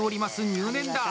入念だ！